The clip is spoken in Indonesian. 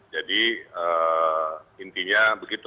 jadi intinya begitu